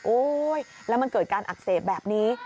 แล้วมันเกิดการอักเสบแบบนี้